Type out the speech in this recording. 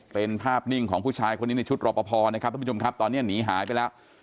เป็นภาพนิ่งของผู้ชายคนนี้ในชุดรอปภนะครับท่านผู้ชมครับตอนนี้หนีหายไปแล้ว